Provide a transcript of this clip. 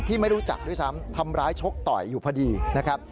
ไม่รู้จักด้วยซ้ำทำร้ายชกต่อยอยู่พอดีนะครับ